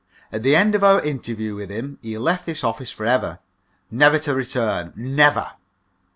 At the end of our interview with him he left this office for ever, never to return never!"